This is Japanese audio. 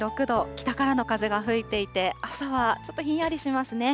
北からの風が吹いていて、朝はちょっとひんやりしますね。